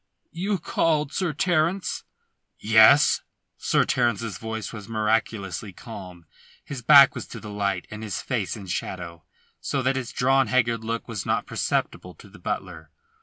"You called, Sir Terence?" "Yes." Sir Terence's voice was miraculously calm. His back was to the light and his face in shadow, so that its drawn, haggard look was not perceptible to the butler.